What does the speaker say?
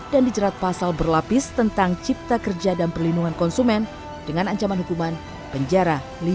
dan dijerat pasal berlapis tentang cipta kerja dan perlindungan konsumen dengan ancaman hukuman penjara